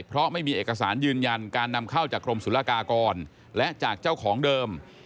เพราะไม่มีเอกสารยืนยันการนำเข้าจากกรมศุลกากรและจากเจ้าของเดิม